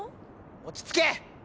落ち着け！